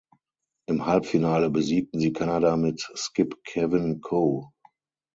Im Halbfinale besiegten sie Kanada mit Skip Kevin Koe.